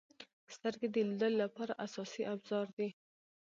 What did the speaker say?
• سترګې د لیدلو لپاره اساسي ابزار دي.